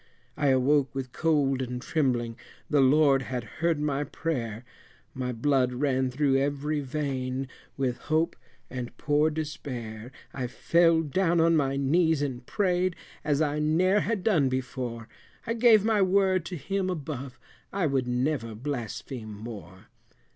I awoke with cold and trembling, the Lord had heard my prayer, My blood ran through every vein, with hope and poor despair, I fell down on my knees and prayed, as I ne'er had done before, I gave my word to Him above, I would never blaspheme more.